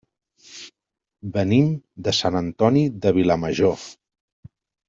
Venim de Sant Antoni de Vilamajor.